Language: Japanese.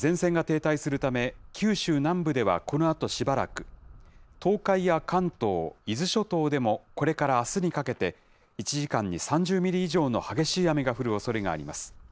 前線が停滞するため、九州南部ではこのあとしばらく、東海や関東、伊豆諸島でも、これからあすにかけて１時間に３０ミリ以上の激しい雨が降るおそれがあります。